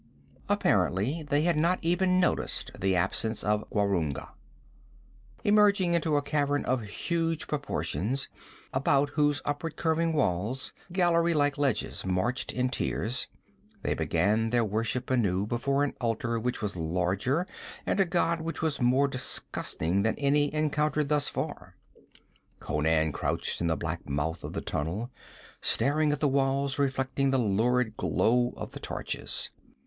Apparently they had not even noticed the absence of Gwarunga. Emerging into a cavern of huge proportions, about whose upward curving walls gallery like ledges marched in tiers, they began their worship anew before an altar which was larger, and a god which was more disgusting, than any encountered thus far. Conan crouched in the black mouth of the tunnel, staring at the walls reflecting the lurid glow of the torches.